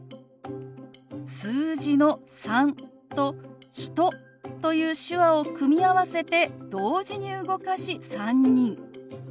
数字の「３」と「人」という手話を組み合わせて同時に動かし「３人」。